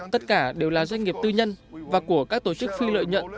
tất cả đều là doanh nghiệp tư nhân và của các tổ chức phi lợi nhận